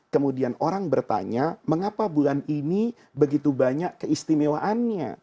kemudian orang bertanya mengapa bulan ini begitu banyak keistimewaannya